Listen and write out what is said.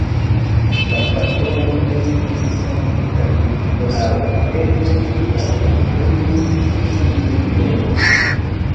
La patrono estis Sankta Nikolao, eĉ la vilaĝo prenis tiun nomon.